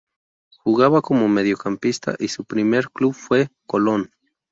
Jugaba como mediocampista y su primer club fue Colón.